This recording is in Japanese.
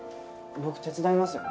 僕手伝いますよ。